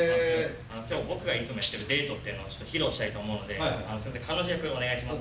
今日は僕がいつもやってるデートっていうのを披露したいと思うのですいません彼女役お願いします。